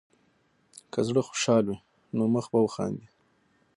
که زړه خوشحال وي، نو مخ به وخاندي.